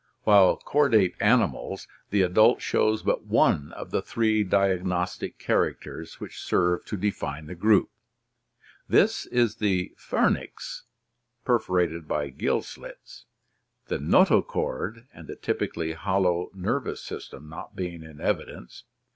While chordate animals, die adult shows but one of the three diagnostic characters which serve to define the group. This is the pharynx perforated by gill slits, the notochord and the typically hollow nervous system not being in evidence.